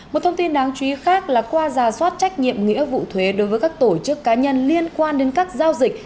một thông tin đáng chú ý khác là qua giả soát trách nhiệm nghĩa vụ thuế đối với các tổ chức cá nhân liên quan đến các giao dịch